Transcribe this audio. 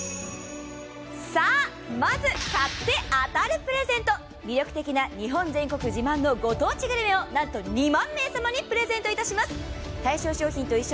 まず、買って当たるプレゼント、魅力的な日本全国自慢のご当地グルメをなんと２万名様にプレゼントいたします。